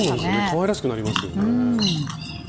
かわいらしくなりますよね。